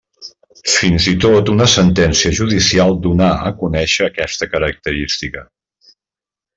Fins i tot una sentència judicial donà a conèixer aquesta característica.